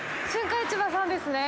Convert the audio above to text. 市場さんですね。